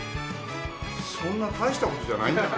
そんな大した事じゃないんだから。